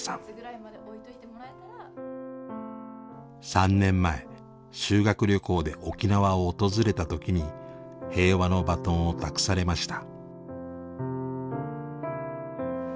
３年前修学旅行で沖縄を訪れた時に平和のバトンを託されました。